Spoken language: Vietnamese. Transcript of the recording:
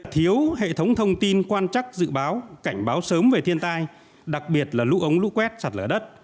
thiếu hệ thống thông tin quan chắc dự báo cảnh báo sớm về thiên tai đặc biệt là lũ ống lũ quét sạt lở đất